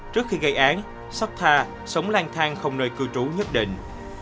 trước khi gây án sotha sống lan thang không nơi cư trú nhất định